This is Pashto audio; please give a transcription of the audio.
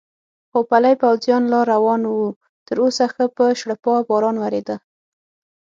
خو پلی پوځیان لا روان و، تراوسه ښه په شړپا باران ورېده.